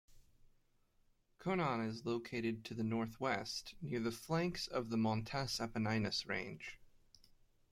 Conon is located to the northwest, near the flanks of the Montes Apenninus range.